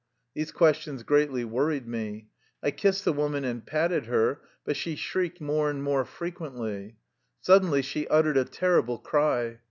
These questions greatly worried me. I kissed the woman and patted her, but she shrieked more and more frequently. Suddenly she ut tered a terrible cry.